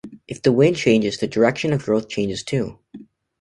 If the wind changes, the direction of growth changes too.